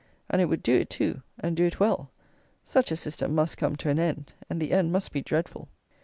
And it would do it too, and do it well! Such a system must come to an end, and the end must be dreadful.